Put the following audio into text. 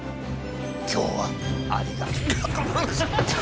今日はありがとうっ。